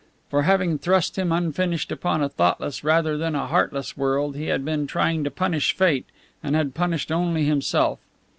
For having thrust him unfinished upon a thoughtless rather than a heartless world he had been trying to punish fate, and had punished only himself.